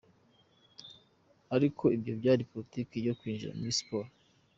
Ariko ibyo byari politike yo kwinjira muri siporo.